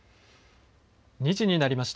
２時になりました。